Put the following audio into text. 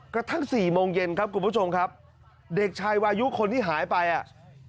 กระทั่งสี่โมงเย็นครับคุณผู้ชมครับเด็กชายวายุคนที่หายไปอ่ะ